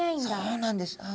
そうなんです。